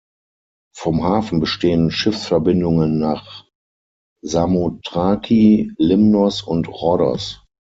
Vom Hafen bestehen Schiffsverbindungen nach Samothraki, Limnos und Rhodos.